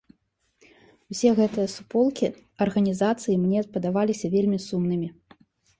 Усе гэтыя суполкі, арганізацыі мне падаваліся вельмі сумнымі.